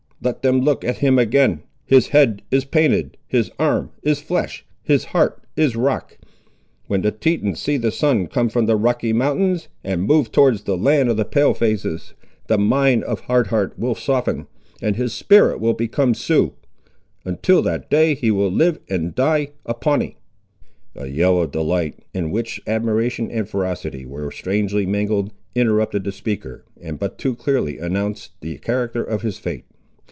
Let them look at him again. His head is painted; his arm is flesh; his heart is rock. When the Tetons see the sun come from the Rocky Mountains, and move towards the land of the Pale faces, the mind of Hard Heart will soften, and his spirit will become Sioux. Until that day, he will live and die a Pawnee." A yell of delight, in which admiration and ferocity were strangely mingled, interrupted the speaker, and but too clearly announced the character of his fate.